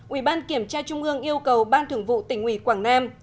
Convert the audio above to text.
ubnd yêu cầu ban thường vụ tỉnh uỷ quảng nam